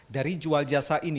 dari jual jasa ini